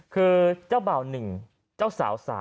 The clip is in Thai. คือเจ้าบ่าว๑เจ้าสาว๓